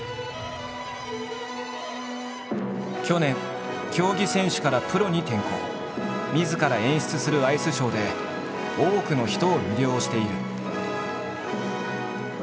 去年競技選手からプロに転向。みずから演出するアイスショーで多くの人を魅了している。